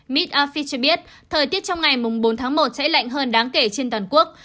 mid afi cho biết thời tiết trong ngày bốn tháng một sẽ lạnh hơn đáng kể trên toàn quốc